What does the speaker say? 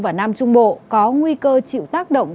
và nam trung bộ có nguy cơ chịu tác động